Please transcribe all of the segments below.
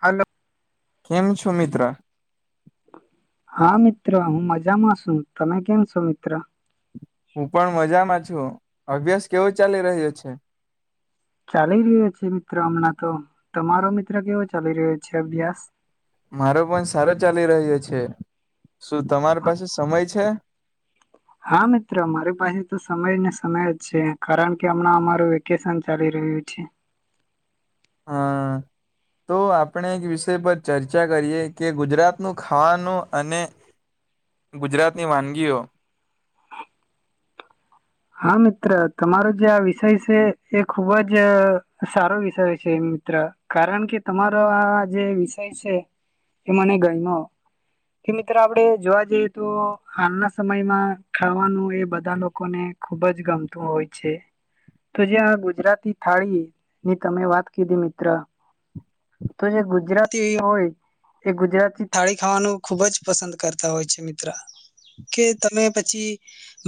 Hello. કેમ છો મિત્રા? હા મિત્ર હું મજામાં છું તમે કેમ છો મિત્ર? હું પણ મજામાં છું અભ્યાસ કેવો ચાલી રહ્યો છે. ચાલી રહ્યો છે મિત્રો હમણાં તો તમારો મિત્ર કેવો ચાલી રહ્યો છે અભ્યાસ? મારો પણ સારો ચાલી રહ્યો છે. શું તમારી પાસે સમય છે? હા મિત્રો અમારી પાસે તો સમય ને સમય જ છે કારણ કે હમણાં અમારું વેકેશન ચાલી રહ્યું છે. હા તો આપણે એક વિષય પર ચર્ચા કરીએ કે ગુજરાતનું ખાવાનું અને ગુજરાતની વાનગીઓ. હા મિત્ર તમારો જે આ વિષય છે એ ખુબ જ સારો વિષય છે મિત્ર કારણ કે તમારો આ જે વિષય છે એ મને ગાયમો કે મિત્ર આપણેે જોવા જઈએ તો હાલના સમયમાં ખાવાનું એ બધા લોકોને ખુબ જ ગમતું હોય છે તો જેયા આ ગુજરાતી થાળી ની તમે વાત કીધી મિત્ર તો જે ગુજરાતી હોય એ ગુજરાતી થાળી ખાવાનું ખુબ જ પસંદ કરતા હોય છે મિત્ર કે તમે પછી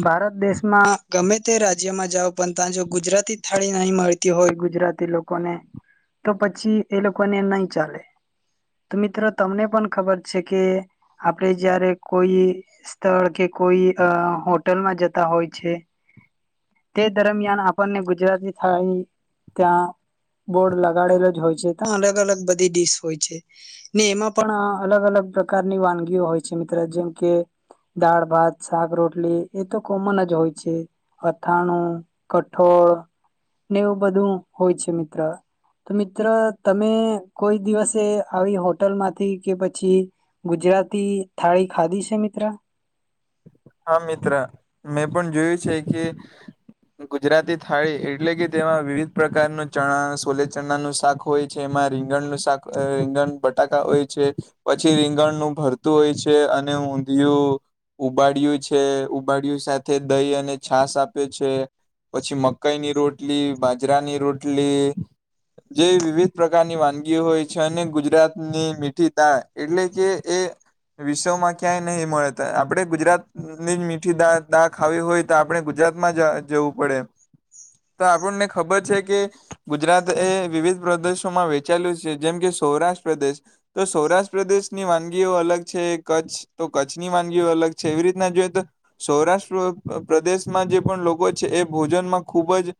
ભારત દેશમાં ગમે તે રાજ્યમાં જાઓ પણ ત્યાં જો ગુજરાતી થાળી નહી મળતી હોય ગુજરાતી લોકોને તો પછી એ લોકોને નહી ચાલે તો મિત્રો તમને પણ ખબર છે કે આપણે જય્યારે કોઈ સ્થળ કે કોઈ અ હોટલમાં જતા હોય છે. તે દરમિયાન આપણને ગુજરાતી થાળી ત્યાં બોડ લગાડેલો જ હોય છે ત્યા અલગ અલગ બધી ડીશ હોય છે ને એમાં પણ અલગ અલગ પ્રકારની વાનગીઓ હોય છે મિત્ર જેમ કે દાળ ભાત શાક રોટલી એ તો કોમન જ હોય છે. અથાણું કઠોળ ને એવું બધું હોય છે મિત્ર તો મિત્ર તમે કોઈ દિવસે આવી હોટલ માંથી કે પછી ગુજરાતી થાળી ખાધી છે મિત્ર? હા મિત્ર મેં પણ જોયું છે કે ગુજરાતી થાળી એટલે કે તેમાં વિવિધ પ્રકારનું ચણા સોલે ચણાનું શાક હોય છે એમાં રીંગણનું શાક રીંગણ બટાકા હોય છે પછી રીંગણનું ભરતું હોય છે અને ઊંધિયું ઉબાડિયું છે ઉબાડિય સાથે દહી અને છાસ આપ્યો છે પછી મકઈની રોટલી બાજરાની રોટલી જે વિવિધ પ્રકારની વાનગીઓ હોય છે અને ગુજરાતની મીઠી તાળ એટલે કે એ વિશ્વમાં ક્યાંય નહી મળે આપણેે ગુજરાતની જ મીઠી દા ખાવી હોય તો આપણે ગુજરાતમાં જવું પડે તો આપણને ખબર છે કે ગુજરાત એ વિવિધ પ્રદેશોમાં વેચાયેું છે જેમ કે સૌરાષ્ટ્ર પ્રદેશ તો સૌરાષ્ટ્ર પ્રદેશની વાનગીઓ અલગ છે કચ્છ તો કચ્છની વાનગીઓ અલગ એવી રીતના જોઈએ તો અ સૌરાષ્ટ્ર પ્રદેશમાં જે પણ લોકો છે એ ભોજનમાં ખૂબ જ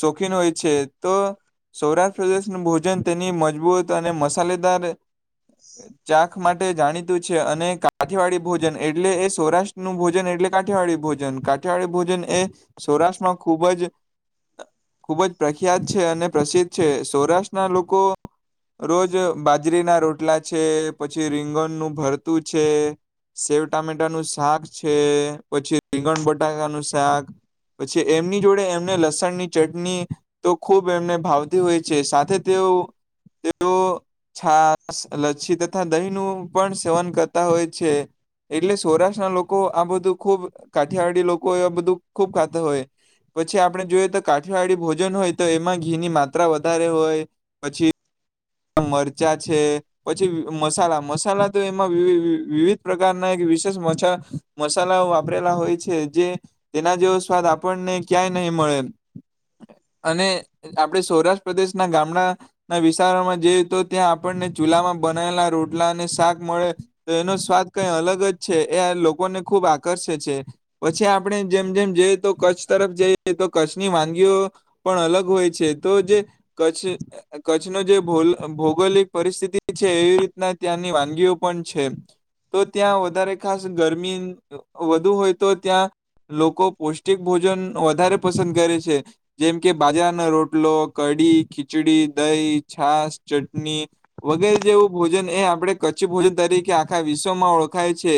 શોખીન હોય છે તો સૌરાષ્ટ્ર પ્રદેશનું ભોજન તેની મજબૂત અને મસાલેદાર ચાખ માટે જાણીતું છે અને કાઠીવાડી ભોજન એ એટલે એ સૌરાષ્ટ્ર નું ભોજન એટલે કાઠિયાવાડી ભોજન કાઠિયાવાડી ભોજન એ સૌરાષ્ટ્રમાં ખૂબ જ ખૂબ જ પ્રખ્યાત છે અને પ્રસિદ્ધ છે સૌરાષ્ટ્રના લોકો રોજ બાજરીના રોટલા છે પછી રીંગણનું ભરતું છે શે ટામેટાનું શાક છે પછી રીંગણ બટાકાનું શાક પછી એમની જોડે એમને લસણ ની ચટણી તો ખૂબ એમને ભાવતી હોય છે સાથે તેઓ તેઓ છાસ લચ્છી તથા દહીંનું પણ સેવન કરતા હોય છે. એટલે સૌરાષ્ટ્રના લોકો આ બધું ખૂબ કાઠિયાવાડી લોકો એ બધું ખુબ ખાતા હોય પછી આપડણે જોઈયએ તો કાઠિયાવાડી ભોજન હોય તો એમાં ઘીની માત્રા વધારે હોય પછી મરચાં છે પછી મસાલા મસાલા તો એમાં વીવી વિવિધ પ્રકારના એક વિશેષ મછા મસાલા વાપરેલા હોય છે જે તેના જેવો સ્વાદ આપણને ક્યાંય નહીં મળે અને આપણે સૌરાષ્ટ્ર પ્રદેશના ગામડાના વિસ્તારોમાં ઈ તો ત્યાં આપણને ચૂલામાં બનાયલા રોટલા અને શાક મળે તો એનો સ્વાદ કઈ અલગ જ છે એ લોકોને ખુબ આકર્ષે છે પછી આપણે જેમ જેમ જઈ તો કચ્છ તરફ જઈ તો કચ્છની વાનગીઓ પણ અલગ હોય છે તો જે કચ્છ કચ્છનો જે ભોલ ભૌગોલિક પરિસ્થિતિ છે એવી રીતના ત્યાંની વાનગીઓ પણ છે તો ત્યાં વધારે ખાસ ગરમી વધુ હોય તો ત્યાં લોકો પૌષ્ટિક ભોજન વધારે પસંદ કરે છે. જેમ કે બાજરાના રોટ ટલો કઢી ખીચડી દહી છાસ ચટણી વગેરે જેવું ભોજન એ આપડે કચ્છી ભોજન તરીકે આખા વિશ્વમાં ઓળખાય છે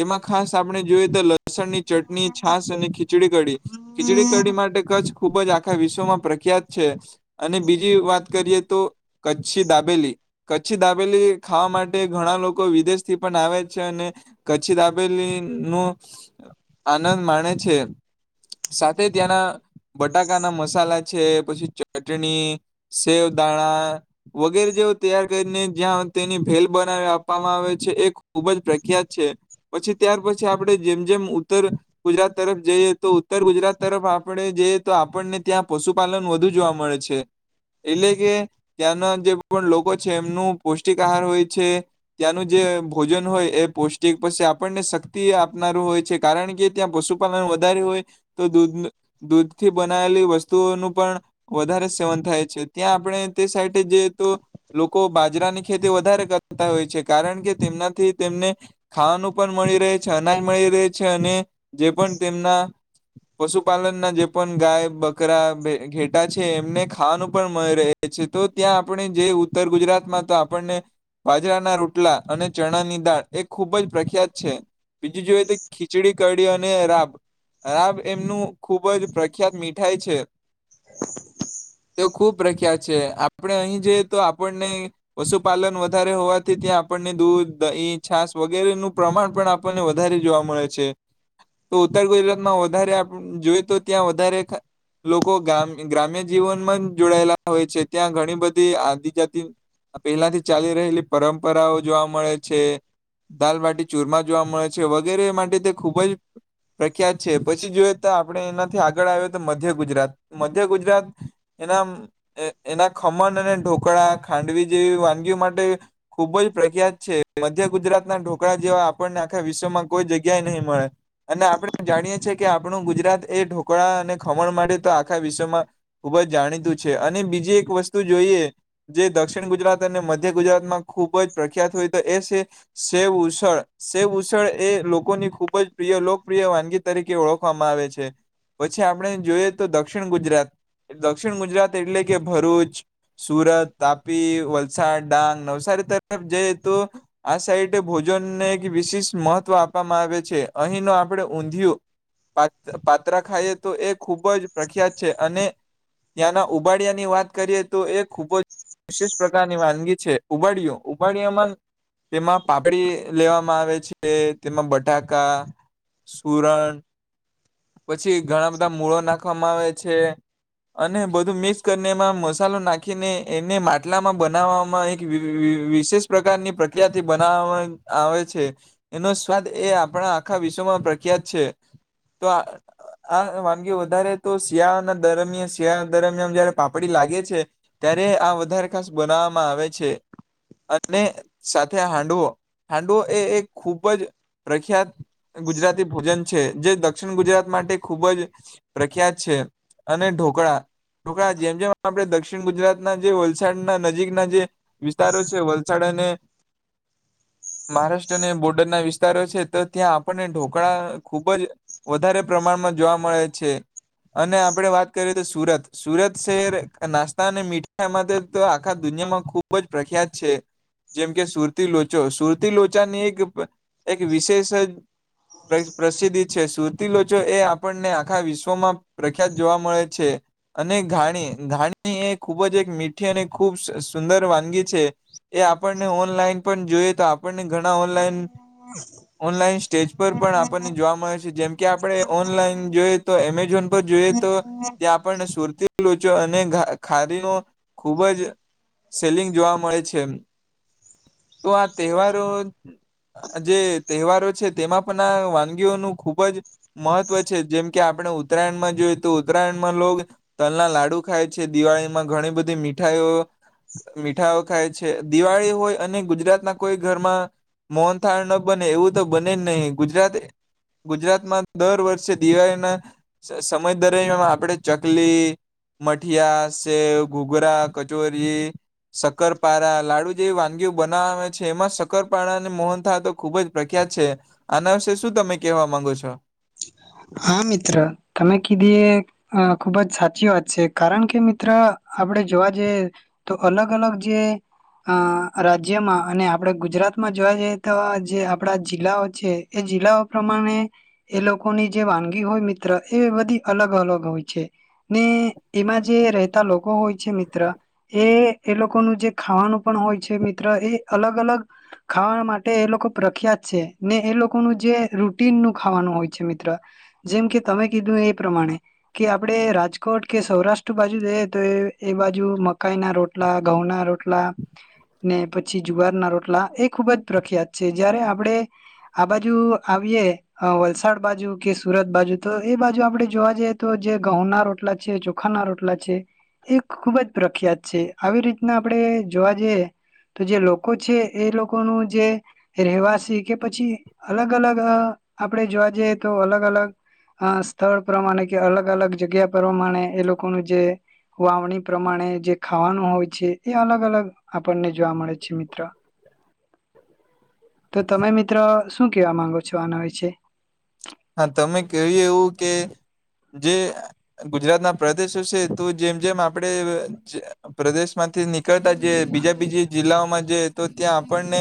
જેમાં ખાસ આપણે જોઈએ તો લ સણની ચટણી છાસ અને ખીચડી કઢી ખીચડી હમ કઢડી માટે ક્છ ખૂબ જ આખા વિશ્વમાં પ્રખ્યાત છે અને બીજી વાત કરીએ તો કચ્છી દાબેલી કચ્છી દાબેલી ખાવા માટે ઘણા લોકો વિદેશથી પણ આવે છે અને કચ્છી દાબેલી નું આનંદ માણે છે સાથે ત્યાંના બટાકા ના મસાલા છે પછી ચટણી સેવદાણા વગેરે જેવ તૈયાર કરીને જ્યાં તેની ભેલ બનાવી આપવામાં આવે છે એ ખૂબ જ પ્રખ્યાત છે પછી ત્યાર પછી આપણે જેમ જેમ ઉત્તર ગુજરાત તરફ જઈએ તો ઉત્તર ગુજરાત તરફ આપણે જઈએ તો આપણને ત્યાં પશુપાલન વધુ જોવા મળે છે. એટલે કે ત્યાંના જે પણ લોકો છે એમનું પૌષ્ટિક આહાર હોય છે ત્યાંનું જે ભોજન હોય એ પૌષ્ટિક પી આપણને શક્તિ આપનારું હોય છે કારણ કે ત્યાં પશુપાલન વધારે હોય તો દૂધ દૂધથી બનાવેલી વસ્તુઓનું પણ વધારે સેવન થાય છે. ત્યાં આપણે તે સાઇટે જઈ તો લોકો બાજરાની ખેતી વધારે કરતા હોય છે કારણ કે તેમનાથી તેમને ખાવાનું પણ મળી રહે છે અનાજ મળી રહે છે અને જે પણ તેમના પશુપાલન ના જે પણ ગાય બકરા ઘેટા છે એમને ખાવાનું પણ મળે રહે છે તો ત્યાં આપણે જેઈ ઉત્તર ગુજરાતમાં તો આપણને બાજરાના રોટલા અને ચણાની દાળ એ ખૂબ જ પ્રખ્યાત છે. બીજું જોઈએ તો ખીચડી કડી અને રાબ રાબ એમનું ખૂબ જ પ્રખ્યાત મીઠાઈ છે. તે ખૂબ પ્રખ્યાત છે આપણે અહી જઈએ તો આપણને પશુપાલન વધારે હોવાથી ત્યાં આપણને દૂધ દહીં છાસ વગેરેનું પ્રમાણ પણ આપણને વધારે જોવા મળે છે તો ઉત્તર ગુજરાતમાં વધારે અપ જોઈ તો ત્યાં વધારે લોકો ગામ ગ્રામ્ય જીવનમાં જ જોડાયેલા હોય છે ત્યાં ઘણી બધી આદિજાતિ પહેલાથી ચાલી રહેલી પરંપરાઓ જોવા મળે છે દાલબટી ચૂરમા જોવા મળે છે વગેરે માટે તે ખૂબ જ પ્રખ્યાત છે પછી જોએ તો આપણે એનાથી આગળ આવે તો મધ્ય ગુજરાત મધ્ય ગુજરાત એના એ એના ખમણ અને ઢોકળા ખાંડવી જેવી વાનગીઓ માટે ખૂબ જ પ્રખ્યાત છે મધ્ય ગુજરાતના ઢોકળા જેવા આપણને આખા વિશ્વમાં કોઈ જગ્યાએ નહી મળે અને આપણે જાણીએ છીએ કે આપણું ગુજરાત એ ઢોકળા અને ખમણ માટે તો આખા વિશ્વમાં ખુબ જ જાણીતું છે. છે અને બીજી એક વસ્તુ જોઈએ જે દક્ષિણ ગુજરાત અને મધ્ય ગુજરાતમાં ખુબ જ પ્રખ્યાત હોય તો એ છે શેવ ઉસળ શેવ ઉસળ એ લોકોની ખૂબ જ પ્રિય લોકપ્રિય વાનગી તરીકે ઓળખવામાં આવે છે પછી આપણે જોઈએ તો દક્ષિણ ગુજરાત દક્ષિણ ગુજરાત એટલે કે ભરૂચ સુરત તાપી વલસાડ ડાંગ નવસારી તરફ જઈએ તો આ સાઈડ ભોજનને એક વિશિષ મહત્વ આપવામાં આવે છે અહીં નો આપણે ઊંધિયું પા પાત્રા ખાઈએ તો એ ખુબ જ પ્રખ્યાત છે અને ત્યાંના ઉબાડિયા ની વાત કરીએ તો એ ખૂબ જ વિશેિષ પ્રકારની વાનગી છે ઉબાડીયો ઉબાડિયામાં તેમાં પાપડી લેવામાં આવે છે તેમાં બટાકા સુરણ પછી ઘણા બધા મૂળો નાખવામાં આવે છે અને બધું મિક્સ કરીને એમાં મસાલો નાખીને એને માટલામાં બનાવવામાં એક વિ વિ વિશેષ પ્રકારની પ્રક્રિયાથી બનાવા આવે છે એનો સ્વાદ એ આપણા આખા વિશ્વમાં પ્રખ્યાત છે. તો આ આ વાનગી વધારે તો શિયાળાના દરમિયાન શિયાળા દરમિયાન જયારે પાપડી લાગે છે ત્યારે આ વધારે ખાસ બનાવવામાં આવે છે અને સાથે હાંડવો હાંડવો એ એક ખૂબ જ પ્રખ્યાત ગુજરાતી ભોજન છે જે દ દક્ષિણ ગુજરાત માટે ખૂબ જ પ્રખ્યાત છે. અને ઢોકળા ઢોકળા જેમ જેમ આપડે દક્ષિણ દક્ષિણ ગુજરાતના જે વલસાડના નજીકના જે વિસ્તારો છે. વલસાડ અને મહારાષ્ટ્ર અને બોર્ડરના વિસ્તારો છે. તો ત્યાં આપણને ઢોકળા ખૂબ જ વધારે પ્રમાણમાં જોવા મળે છે. અને આપણે વાત કરીએ તો સુરત સુરત શહેર નાસ્તા અને મીઠાઈ માટે તો આખા દુનિયામાં ખૂબ જ પ્રખ્યાત છે જેમ કે સુરતી લોચો સુરતી લોચા ની એક એક વિશેષ જ પ્ર પ્રસિદ્ધિ છે સુર સુરતી લોચો એ આપણને આખા વિશ્વમાં પ્રખ્યાત જોવા મળે છે. અને ઘાણી ઘાણી એ ખૂબ જ એક મીઠી અને ખૂબ સુંદર વાનગી છે. એ આપણને ઓનલાઈન પણ જોઈએ તો આપ આપણ ઘણા ઓનલાન ઓનલાઈન સ્ટેજ પર પણ આપણને જોવા મળે છે. જેમ આપણે ઓનલાઈન જોઈએ તો એમેઝોન પર જોઈએ તો ત્યાં આપણને સુરતી લોચો અને ખા ખારી નો ખૂબ જ સેલિંગ જોવા મળે છે. તો આ તહેવારો જે તહેવારો છે તેમાં પણ આ વાનગીઓનું ખુબ જ મહત્વ છે જેમ કે આપણે ઉત્તરાયણમાં જોઈએ તો ઉત્તરાયણમાં લોગ તલના લાડુ ખાય છે. દિવાળીમાં ઘણી બધી મીઠાઈઓ મીઠાઈઓ ખાય છે. દિવાળી હોય અને ગુજરાતના કોઈ ઘરમાં મોહનથાળ ન બને એવું તો બને જ નહીં ગુજરાત ગુજરાતમાં દર વર્ષે દિવાળીના સમય દરમિયામાં આપણે ચકલી, મઠિયા, સેવ, ઘૂઘરા, કચોરી, શકરપારા, લાડુ જેવી વાનગીઓ બના આવે છે. એમાં સક્કરપારાને મોહનથાળ તો ખૂબ જ પ્રખ્યાત છે. આના વિશે શું તમે કહેવા માંગો છો? હા મિત્ર તમે કીધી એ ખુબ જ સાચી વાત છે. કારણ કે મિત્ર આપણે જોવા જઈએ તો અલગ અલગ જે અ રાજ્યમાં અને આપણે ગુજરાતમાં જોવા જઈએ તો જે આપડા જિલ્લાઓ છે. એ જિલ્લાઓ પ્રમાણે એ લોકોની જે વાનગી હોય મિત્ર એ બધી અલગ અલગ હોય છે. ને એમાં જે રહેતા લોકો હોય છે મિત્ર એ એ લોકોનું જે ખાવાનું પણ હોય છે મિત્ર એ અલગ અલગ ખાવા માટે એ લોકો પ્રખ્યાત છે ને એ લોકોનું જે રૂટિનનું ખા ખાવાનું હોય છે મિત્ર જેમ કે તમે કીધું એ પ્રમાણે કે આપણે રાજકોટ કે સૌરાષ્ટ્ર બાજુ જઈએ તો એ બાજુ મકાઈ ના રોટલા, ઘઉં ના રોટલા ને પછી જુવાર ના રોટલા એ ખુબ જ પ્રખ્યાત છે જયારે આપણે આ બાજુ આવીએ આ વલસાડ બાજુ કે સુરત બાજુ તો એ બાજુ આપડે જોવા જઈએ તો જે ઘઉંના રોટલા છે, ચોખાના રોટલા છે એ ખુબ જ પ્રખ્યાત છે આવી રીતના આપણે જોવા જઈએ તો જે લોકો છે એ લોકોનું જે રહેવાસી કે પછી અલગ અલગ આ આપણે જોવા જઈએ તો અલગ અલગ અ સ્થળ પ્રમાણે કે અલગ અલગ જગ્યા પ્રમાણે એ લોકોનું જે વાવણી પ્રમાણે જે ખા ખાવાનું હોય છે. એ અલગ અલગ આપણને જોવા મળે છે મિત્ર તો તમે મિત્ર શું શું કેવા માંગો છો આના વિશે? છે. હા તમે કહ્યું એવું કે જે ગુજરાતના પ્રદેશો છે તો જેમ જેમ આપણે પ્રદેશમાંથી નીકળતા જઈએ બીજા બીજી જિલ્લાઓમાં જ તો ત્યાં આપણને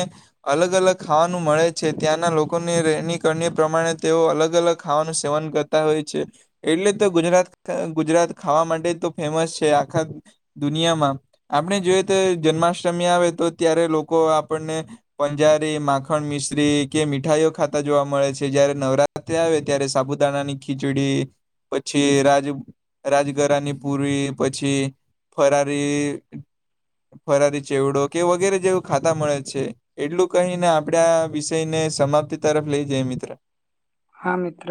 અલગ અલગ ખાવાનું મળે છે. ત્યાંના લોકોની રહેનીકરણી પ્રમાણે તેઓ અલગ અલગ ખાવાનું સેવન કરતા હોય છે. એટલે તો ગુજરાત ગુજરાત ખાવા માટે તો ફેમસ છે આખા દુનિયામાં. આપણે જોઈએ તો જન્માષ્ટમી આવે તો ત્યારે લોકો આપણને પંજારી, માખણ, મિશ્રી, કે મીઠાઈઓ ખાતા જોવા મળે છે. જ્યારે નવરાત્ર્રી આવે ત્યારે સાપુતણા ની ખીચડી, પછી રાજ રાજગરાની પૂરી, પછી ફરારી ફરારી ચેવડો કે, વગેરે જેવું ખાતા મળે છે. એટલું કહીને આપણે આ વિષયને સમાપ્તિ તરફ લઈ જઈ મિત્ર. હા મિત્ર.